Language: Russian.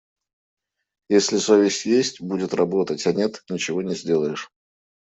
Если совесть есть, будет работать, а нет — ничего не сделаешь.